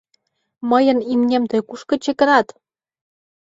— Мыйын имнем тый кушко чыкенат?